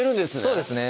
そうですね